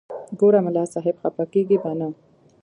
ګوره ملا صاحب خپه کېږې به نه.